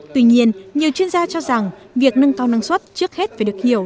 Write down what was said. tuy nhiên nhiều chuyên gia cho rằng việc nâng cao năng suất trước hết phải được hiểu